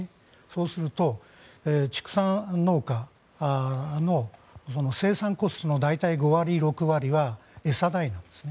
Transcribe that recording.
そうすると、畜産農家の生産コストの大体５割、６割は餌代なんです。